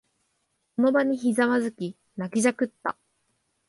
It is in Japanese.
その場にひざまずき、泣きじゃくった。